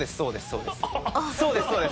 そうですね。